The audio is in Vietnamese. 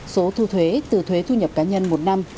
số thu thuế từ thuế thu nhập cá nhân một năm